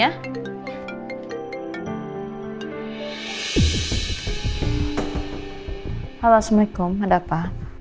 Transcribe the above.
assalamualaikum ada apa